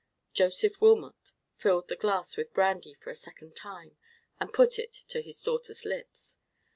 Joseph Wilmot filled the glass with brandy for the second time, and put it to his daughter's lips.